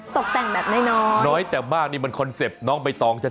ตกแต่งแบบน้อยน้อยแต่มากนี่มันคอนเซ็ปต์น้องใบตองชัด